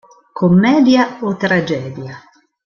Commedia o tragedia?